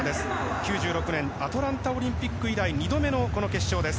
９６年アトランタオリンピック以来２度目の決勝です。